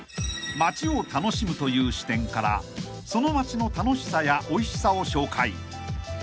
［街を楽しむという視点からその街の楽しさやおいしさを紹介］